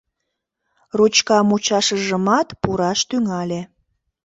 Ручка мучашыжымат пураш тӱҥале.